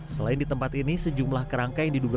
selain di tempat ini sejumlah kerangka yang diduga